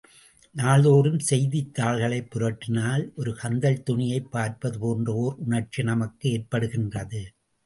நாள்தோறும் செய்தித் தாள்களைப் புரட்டினால், ஒரு கந்தல் துணியைப் பார்ப்பது போன்ற ஒர் உணர்ச்சி நமக்கு ஏற்படுகின்றது.